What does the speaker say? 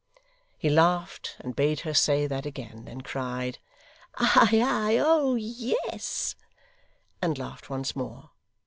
He laughed and bade her say that again, then cried, 'Ay ay oh yes,' and laughed once more.